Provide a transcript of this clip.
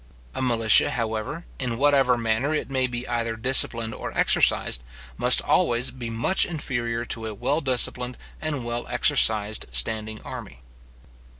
A militia, however, in whatever manner it may be either disciplined or exercised, must always be much inferior to a well disciplined and well exercised standing army.